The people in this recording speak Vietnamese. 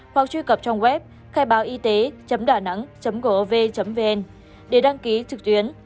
hoặc truy cập trong web khai báo y tế đà nẵng gov vn để đăng ký trực tuyến